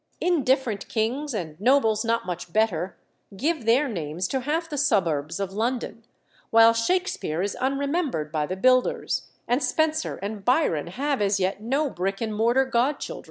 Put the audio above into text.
Indifferent kings, and nobles not much better, give their names to half the suburbs of London, while Shakespere is unremembered by the builders, and Spenser and Byron have as yet no brick and mortar godchildren.